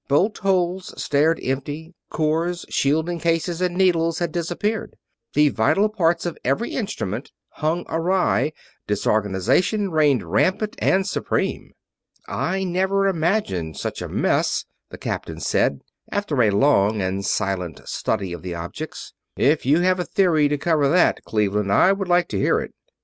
Bolt holes stared empty, cores, shielding cases and needles had disappeared, the vital parts of every instrument hung awry, disorganization reigned rampant and supreme. "I never imagined such a mess," the captain said, after a long and silent study of the objects. "If you have a theory to cover that, Cleveland, I would like to hear it!"